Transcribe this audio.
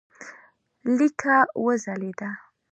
لیکه وځلېده.